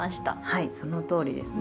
はいそのとおりです。